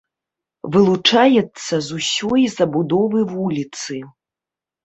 Вылучаецца з усёй забудовы вуліцы.